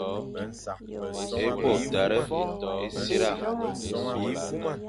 E bo tare on ésitar.